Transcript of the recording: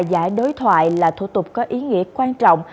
giải đối thoại là thủ tục có ý nghĩa quan trọng